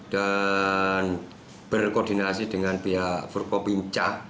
dan berkoordinasi dengan pihak furko pinca